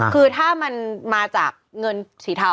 คือถ้ามันมาจากเงินสีเทา